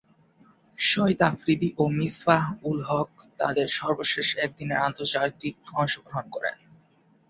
শহীদ আফ্রিদি ও মিসবাহ-উল-হক তাদের সর্বশেষ একদিনের আন্তর্জাতিকে অংশগ্রহণ করেন।